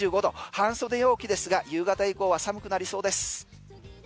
半袖陽気ですが夕方以降は寒くなりそうです。